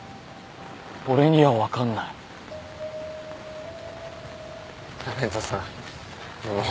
俺には分かんない香音人さんもう